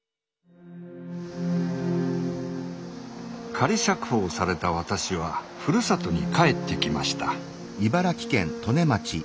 仮釈放された私はふるさとに帰ってきました。